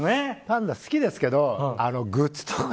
パンダ、好きですけどグッズとか